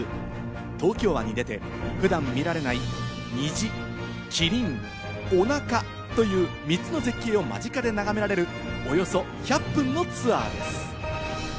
東京湾に出て普段見られない虹、キリンおなか、という３つの絶景を間近で眺められる、およそ１００分のツアーです。